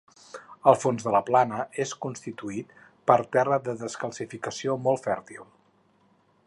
El fons de la plana és constituït per terra de descalcificació molt fèrtil.